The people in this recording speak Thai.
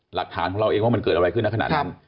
หลักฐานของเราเองว่ามันเกิดอะไรขึ้นในขณะนั้น